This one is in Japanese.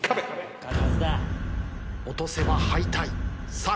落とせば敗退さあ